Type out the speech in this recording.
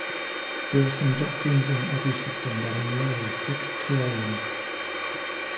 There are some doctrines in every system that are merely sectarian.